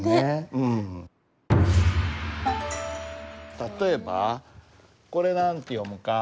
例えばこれ何て読むか？